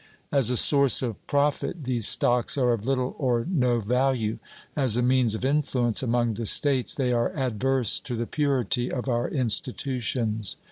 As a source of profit these stocks are of little or no value; as a means of influence among the States they are adverse to the purity of our institutions.